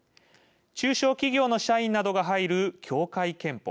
中小企業の社員などが入る協会けんぽ。